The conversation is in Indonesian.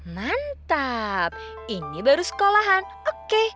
mantap ini baru sekolahan oke